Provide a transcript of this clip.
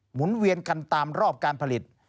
เวียนกันตามรอบการผลิต